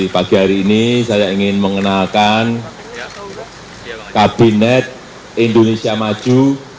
pagi hari ini saya ingin mengenalkan kabinet indonesia maju